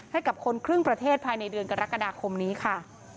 ให้กับคนครึ่งประเทศภายในเดือนกรกฎาคมนี้ค่ะ